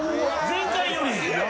前回より！